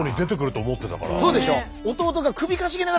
そうでしょ？